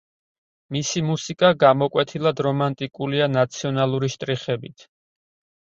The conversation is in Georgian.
მისი მუსიკა გამოკვეთილად რომანტიკულია ნაციონალური შტრიხებით.